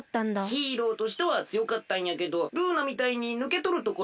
ヒーローとしてはつよかったんやけどルーナみたいにぬけとるところはあったのう。